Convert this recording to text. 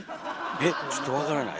えっちょっとわからない。